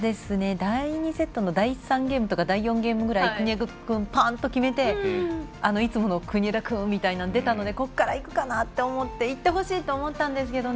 第２セットの第３ゲームとか第４ゲームくらい国枝君がパーンと決めていつもの国枝君みたいなのが出たのでここからいくかなって思っていってほしいと思ったんですけど